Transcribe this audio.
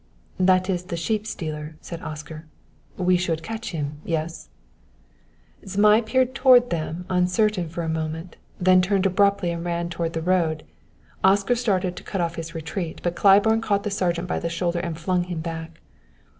"That is the sheep stealer," said Oscar. "We shall catch him yes?" Zmai peered toward them uncertainly for a moment; then turned abruptly and ran toward the road. Oscar started to cut off his retreat, but Claiborne caught the sergeant by the shoulder and flung him back.